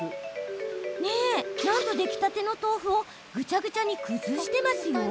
なんと出来たての豆腐をぐちゃぐちゃに崩しています。